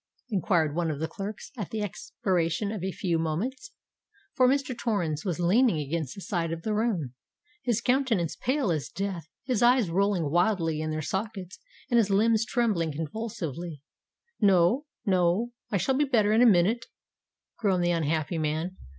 enquired one of the clerks, at the expiration of a few moments; for Mr. Torrens was leaning against the side of the room, his countenance pale as death, his eyes rolling wildly in their sockets, and his limbs trembling convulsively. "No—no—I shall be better in a minute," groaned the unhappy man.